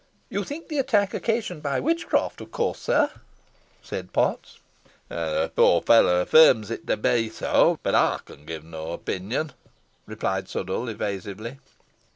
"You think the attack occasioned by witchcraft of course, sir?" said Potts. "The poor fellow affirms it to be so, but I can give no opinion," replied Sudall, evasively.